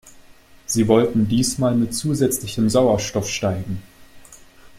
Sie wollten diesmal mit zusätzlichem Sauerstoff steigen.